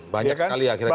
banyak sekali akhirnya